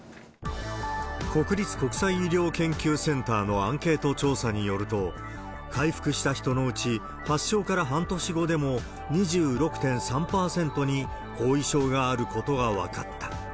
国立国際医療研究センターのアンケート調査によると、回復した人のうち、発症から半年後でも２６．３％に後遺症があることが分かった。